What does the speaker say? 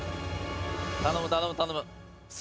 頼む頼む頼む。